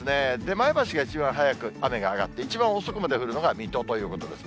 前橋が一番早く雨が上がって、一番遅くまで降るのが水戸ということです。